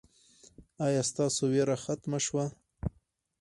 ایا ستاسو ویره ختمه شوه؟